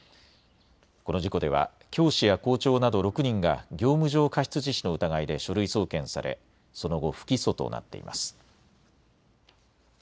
この事故では教師や校長など６人が業務上過失致死の疑いで書類送検されその後、不起訴となっています。